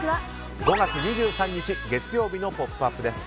５月２３日、月曜日の「ポップＵＰ！」です。